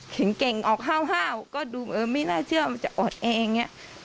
เห็นเก่งออกห้าวก็ดูเออไม่น่าเชื่อว่ามันจะอดเองอย่างนี้